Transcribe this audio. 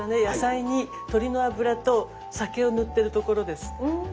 野菜に鶏の油と酒を塗ってるところです。